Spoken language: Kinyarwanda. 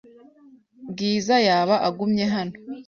Bwiza yaba agumye hano?